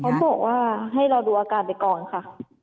เขาบอกว่าให้เราดูอาการไปก่อนค่ะ